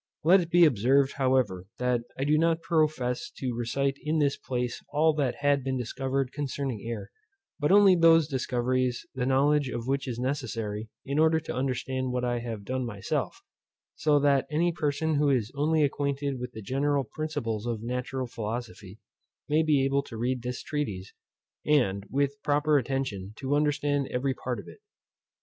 Let it be observed, however, that I do not profess to recite in this place all that had been discovered concerning air, but only those discoveries the knowledge of which is necessary, in order to understand what I have done myself; so that any person who is only acquainted with the general principles of natural philosophy, may be able to read this treatise, and, with proper attention, to understand every part of it.